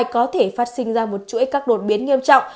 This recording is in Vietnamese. có thể phát sinh ra một chuỗi các đột biến nghiêm trọng